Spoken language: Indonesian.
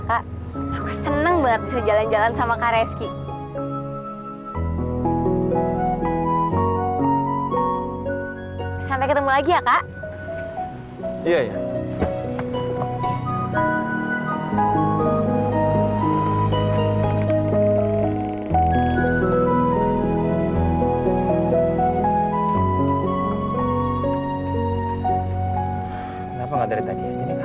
kenapa nggak dari tadi aja ini nggak